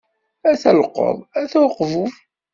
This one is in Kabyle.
Ata llqeḍ, ata uqbub.